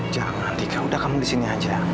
jangan dika udah kamu di sini aja